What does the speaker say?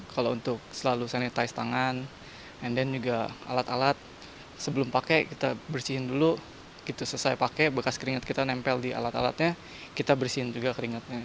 kali kali alat alatnya kita bersihin juga keringatnya